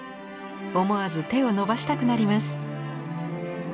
思わず手を伸ばしたくなります。